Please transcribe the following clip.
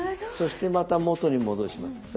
そしてまた元に戻します。